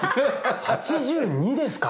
８２ですか？